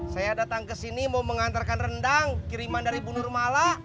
saya datang ke sini mau mengantarkan rendang kiriman dari ibu nurmala